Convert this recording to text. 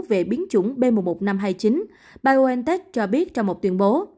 về biến chủng b một một năm trăm hai mươi chín biontech cho biết trong một tuyên bố